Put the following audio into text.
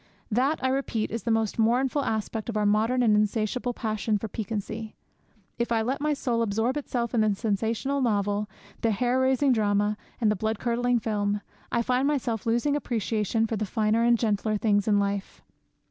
That, I repeat, is the most mournful aspect of our modern and insatiable passion for piquancy. If I let my soul absorb itself in the sensational novel, the hair raising drama, and the blood curdling film, I find myself losing appreciation for the finer and gentler things in life.